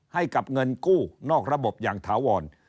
ให้กับเงินกู้นอกระบบอย่างถาวร